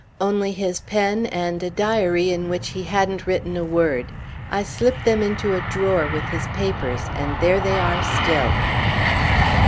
"Only his pen, and a diary in which he hadn't written a word. I slipped them into a drawer with his papers, and there they are still."